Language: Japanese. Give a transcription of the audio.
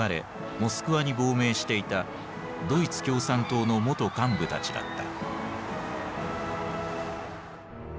モスクワに亡命していたドイツ共産党の元幹部たちだった。